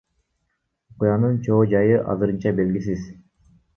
Окуянын чоо жайы азырынча белгисиз.